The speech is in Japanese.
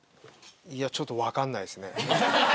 ちょっと分からないですね。